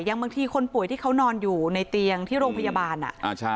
บางทีคนป่วยที่เขานอนอยู่ในเตียงที่โรงพยาบาล